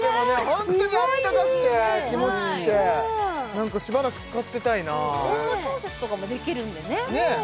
ホントにあったかくて気持ちくてなんかしばらく使ってたいな温度調節とかもできるんでねねえ